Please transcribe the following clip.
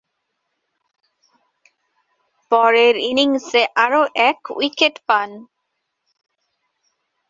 পরের ইনিংসে আরও এক উইকেট পান।